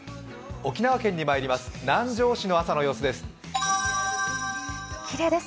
沖縄県にまいります、南城市の朝の様子です。